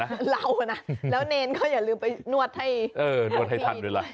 เดี๋ยวเรานะแล้วเนรก็อย่าลืมไปนวดให้ท่านด้วยล่ะ